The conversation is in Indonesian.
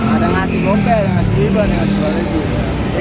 ada ngasih mobil ada ngasih ribet ada ngasih apa lagi